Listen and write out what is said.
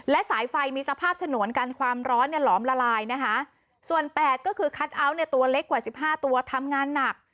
และสายไฟมีสภาพฉนวนกันความร้อนเนี่ยหลอมละลายนะคะส่วนแปดก็คือคัทเอาท์เนี่ยตัวเล็กกว่าสิบห้าตัวทำงานหนัก